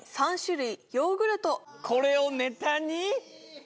これをネタに？